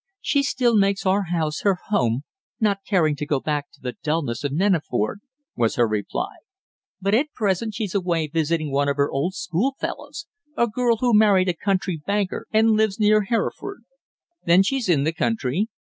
"She still makes our house her home, not caring to go back to the dulness of Neneford," was her reply. "But at present she's away visiting one of her old schoolfellows a girl who married a country banker and lives near Hereford." "Then she's in the country?"